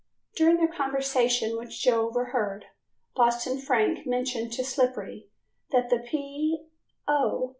During their conversation, which Joe overheard, Boston Frank mentioned to Slippery that the "P. O."